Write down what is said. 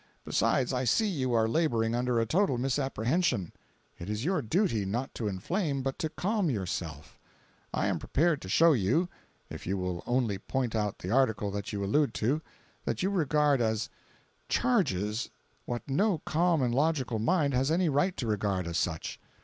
Besides, I see you are laboring under a total misapprehension. It is your duty not to inflame but to calm yourself. I am prepared to show you, if you will only point out the article that you allude to, that you regard as 'charges' what no calm and logical mind has any right to regard as such.